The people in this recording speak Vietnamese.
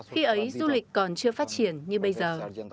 khi ấy du lịch còn chưa phát triển như bây giờ